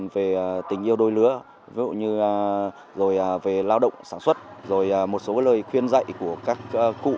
về tình yêu đôi lứa rồi về lao động sản xuất rồi một số lời khuyên dạy của các cụ